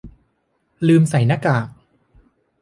ลืมใส่หน้ากาก